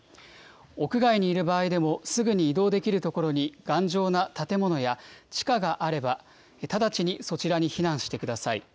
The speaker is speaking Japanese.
屋外にいる場合でも、すぐに移動できる所に、頑丈な建物や、地下があれば、直ちにそちらに避難してください。